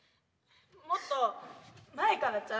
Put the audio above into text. もっと前からちゃう？